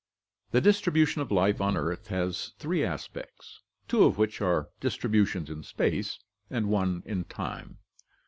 — The distribution of life on earth has three aspects, two of which are distributions in space and one in time.